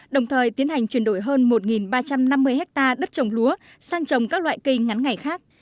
đồng thời tiến hành chuyển đổi hơn một ba trăm năm mươi hectare đất trồng lúa sang trồng các loại cây ngắn ngày khác